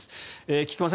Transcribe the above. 菊間さん